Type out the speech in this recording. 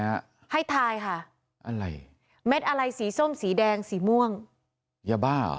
ให้ทายค่ะอะไรเม็ดอะไรสีส้มสีแดงสีม่วงยาบ้าเหรอ